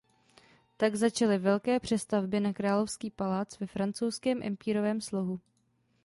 Tak začaly velké přestavby na královský palác ve francouzském empírovém slohu.